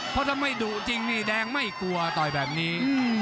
เพราะถ้าไม่ดุจริงนี่แดงไม่กลัวต่อยแบบนี้